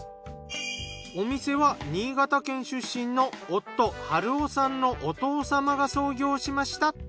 お店は新潟県出身の夫晴雄さんのお父様が創業しました。